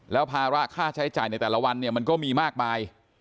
แล้วภาระค่าใช้จ่ายในแต่ละวันเนี่ยมันก็มีมากมาย